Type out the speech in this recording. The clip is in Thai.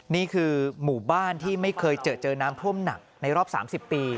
นี่คือหมู่บ้านที่ไม่เคยเจอเจอน้ำท่วมหนักในรอบ๓๐ปี